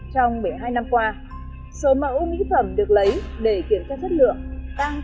trong một mươi hai năm qua số mẫu mỹ phẩm được lấy để kiểm tra chất lượng tăng từ chín chín mươi sáu mẫu một năm